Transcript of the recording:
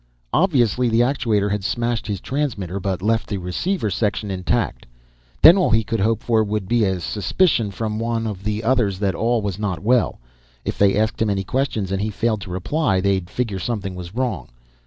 Obviously, the actuator had smashed his transmitter, but left the receiver section intact. Then all he could hope for would be a suspicion from one of the others that all was not well. If they asked him any questions and he failed to reply, they'd figure something was wrong.